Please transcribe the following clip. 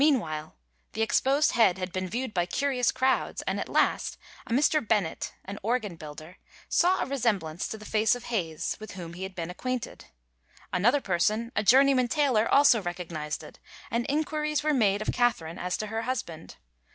Meanwhile the exposed head had been viewed by curious crowds, and at last a Mr. Bennet, an organ builder, saw a resemblance to the face of Hayes, with whom he had been acquainted; another person, a journeyman tailor, also recognized it, and inquiries were made of Catherine as to her husband.